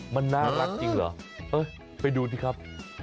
มันน่ารักจริงเหรอไปดูสิครับ